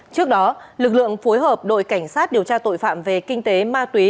trước đó lực lượng phối hợp đội cảnh sát điều tra tội phạm về kinh tế ma túy